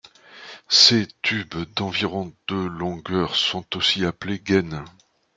Ces tubes d'environ de longueur sont aussi appelés gaines.